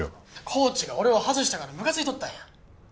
コーチが俺を外したからムカついとったんや。